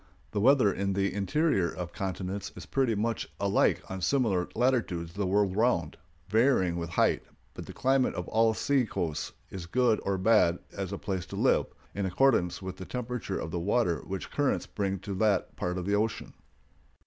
The weather in the interior of continents is pretty much alike on similar latitudes the world round, varying with height; but the climate of all sea coasts is good or bad as a place to live, in accordance with the temperature of the water which the currents bring to that part of the ocean.